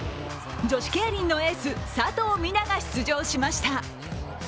女子ケイリンのエース佐藤水菜が出場しました。